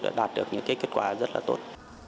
đã đạt được những cái kết quả rất là tốt